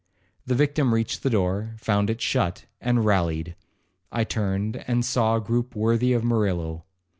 The victim reached the door, found it shut, and rallied. I turned, and saw a groupe worthy of Murillo.